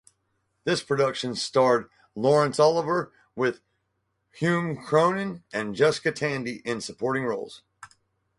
This production starred Laurence Olivier, with Hume Cronyn and Jessica Tandy in supporting roles.